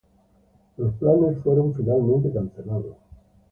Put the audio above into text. Los planes fueron finalmente cancelados.